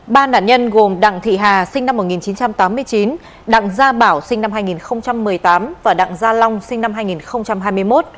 ba nạn nhân gồm đặng thị hà sinh năm một nghìn chín trăm tám mươi chín đặng gia bảo sinh năm hai nghìn một mươi tám và đặng gia long sinh năm hai nghìn hai mươi một